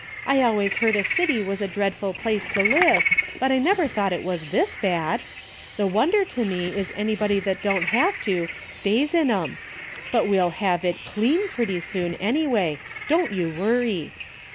I always heard a city was a dreadful place to live, but I never thought it was this bad. The wonder to me is anybody that don't have to, stays in 'em. But we'll have it clean pretty soon any way, don't you worry."